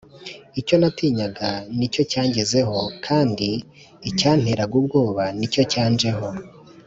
icyo natinyaga ni cyo cyangezeho, kandi icyanteraga ubwoba ni cyo cyanjeho